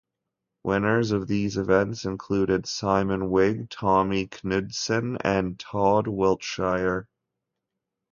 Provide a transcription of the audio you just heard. Winners of these events included Simon Wigg, Tommy Knudsen and Todd Wiltshire.